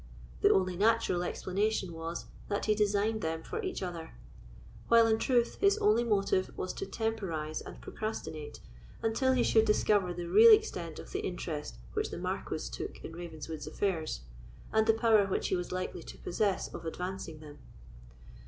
The only natural explanation was, that he designed them for each other; while, in truth, his only motive was to temporise and procrastinate until he should discover the real extent of the interest which the Marquis took in Ravenswood's affairs, and the power which he was likely to possess of advancing them.